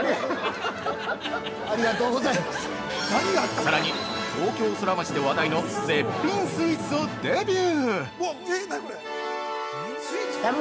◆さらに、東京ソラマチで話題の絶品スイーツをデビュー。